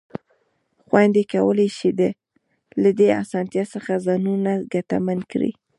خویندې کولای شي له دې اسانتیا څخه ځانونه ګټمن کړي.